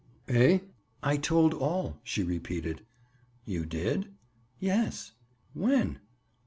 "Eh?" "I told all," she repeated. "You did?" "Yes." "When?"